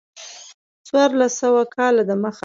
څوارلس سوه کاله د مخه.